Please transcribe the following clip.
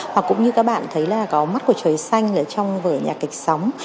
hoặc cũng như các bạn thấy là có mắt của trời xanh ở trong vở nhạc kịch sống